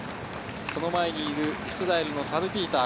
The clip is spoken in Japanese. その前にいるイスラエルのサルピーター。